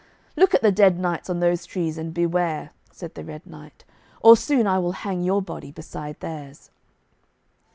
'Look at the dead knights on those trees, and beware,' said the Red Knight, 'or soon I will hang your body beside theirs.'